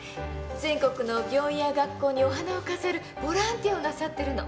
全国の病院や学校にお花を飾るボランティアをなさってるの。